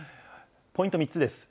ポイント３つです。